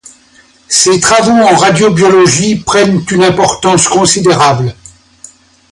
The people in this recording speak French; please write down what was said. Ces travaux en radiobiologie, prennent une importance considérable.